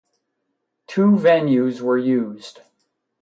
Two venues were used.